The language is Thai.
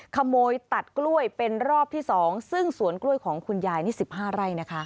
ขโมยตัดกล้วยเป็นรอบที่๒ซึ่งสวนกล้วยของคุณยายนี่๑๕ไร่นะคะ